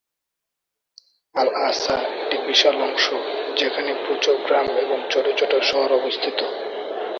Al Ahsa একটি বিশাল অঞ্চল যেখানে প্রচুর গ্রাম এবং ছোট ছোট শহর অবস্থিত।